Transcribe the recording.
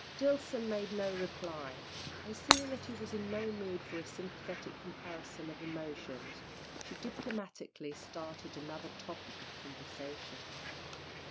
Dillson made no reply, and seeing that he was in no mood for a sympathetic comparison of emotions, she diplomatically started another topic of conversation.